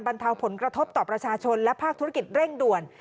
เทาผลกระทบต่อประชาชนและภาคธุรกิจเร่งด่วน